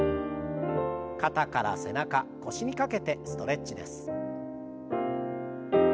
肩から背中腰にかけてストレッチです。